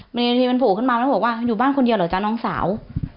เวทีมันโผล่ขึ้นมาแล้วบอกว่าอยู่บ้านคนเดียวเหรอจ๊ะน้องสาว